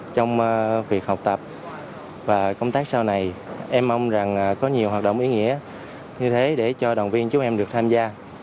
trong việc học tập và công tác sau này em mong rằng có nhiều hoạt động ý nghĩa như thế để cho đoàn viên chúng em được tham gia